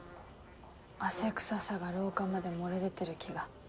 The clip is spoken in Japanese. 汗臭さが廊下まで漏れ出てる気が。